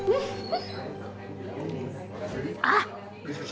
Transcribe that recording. あっ！